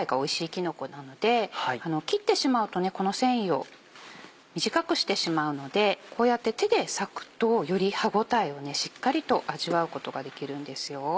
キノコなので切ってしまうとこの繊維を短くしてしまうのでこうやって手で割くとより歯応えをしっかりと味わうことができるんですよ。